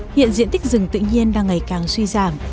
hiện diện tích rừng tự nhiên đang ngày càng suy giảm